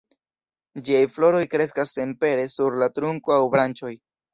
Ĝiaj floroj kreskas senpere sur la trunko aŭ branĉoj.